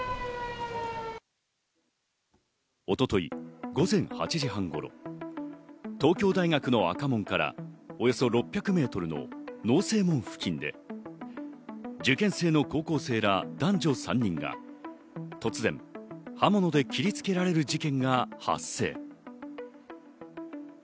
一昨日、午前８時半頃、東京大学の赤門からおよそ６００メートルの農正門付近で受験生の高校生ら男女３人が突然、刃物で切りつけられる事件が発生。